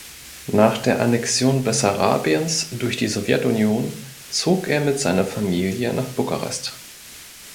Nach der Annexion Bessarabiens durch die Sowjetunion zog er mit seiner Familie nach Bukarest.